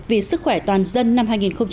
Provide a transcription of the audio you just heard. vì sức khỏe toàn dân năm hai nghìn một mươi bảy